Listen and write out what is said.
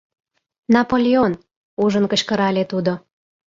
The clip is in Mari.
«Наполеон!» — ужын кычкырале тудо.